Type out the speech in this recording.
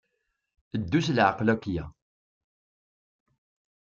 Ddu s leɛqel akya.